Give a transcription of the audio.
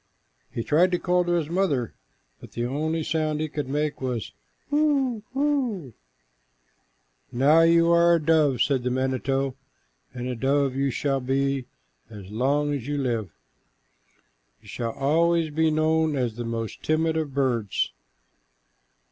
He tried to call to his mother, but the only sound he could make was "Hoo, hoo!" "Now you are a dove," said the manito, "and a dove you shall be as long as you live. You shall always be known as the most timid of birds."